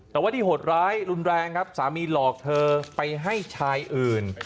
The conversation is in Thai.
แต่ว่าที่โหดร้ายรุนแรงครับสามีหลอกเธอไปให้ชายอื่น